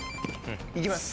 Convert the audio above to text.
いきます。